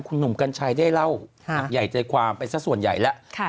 คุณหนุ่มกัญชัยได้เล่าหักใหญ่ใจความไปสักส่วนใหญ่แล้ว